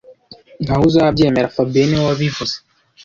Ntawe uzabyemera fabien niwe wabivuze